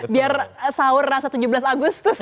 biar sahur rasa tujuh belas agustus